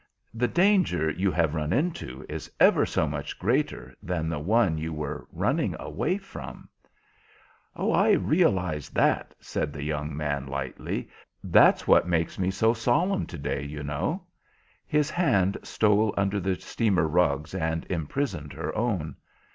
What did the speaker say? The danger you have run into is ever so much greater than the one you were running away from." "Oh, I realise that," said the young man, lightly; "that's what makes me so solemn to day, you know." His hand stole under the steamer rugs and imprisoned her own.